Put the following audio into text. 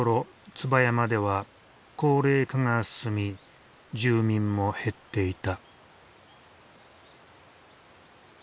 椿山では高齢化が進み住民も減っていた。